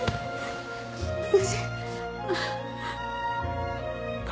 私。